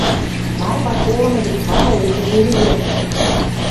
Марпа колымы гӹц вара эче пел и эртӓ.